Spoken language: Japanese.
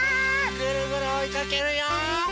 ぐるぐるおいかけるよ！